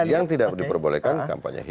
yang tidak diperbolehkan kampanye hitam